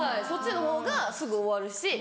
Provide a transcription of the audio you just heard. そっちのほうがすぐ終わるし。